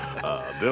では。